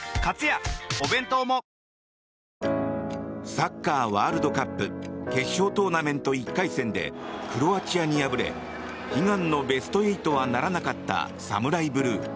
サッカーワールドカップ決勝トーナメント１回戦でクロアチアに敗れ悲願のベスト８はならなかったＳＡＭＵＲＡＩＢＬＵＥ。